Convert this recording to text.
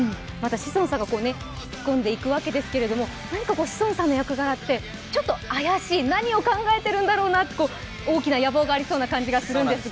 志尊さんが引き込んでいくわけですけど志尊さんの役柄ってちょっと怪しい、何を考えているんだろうなと、大きな野望がありそうな感じがするんですが。